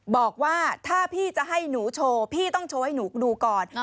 บอกว่าถ้าพี่จะให้หนูโชว์พี่ต้องโชว์ให้หนูดูก่อน